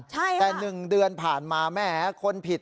ใช่ค่ะแต่หนึ่งเดือนผ่านมาแม้คนผิด